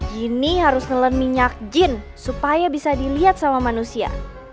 gini harus nelan minyak jin supaya bisa dilihat sama manusia